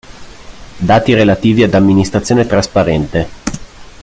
Dati relativi ad amministrazione trasparente.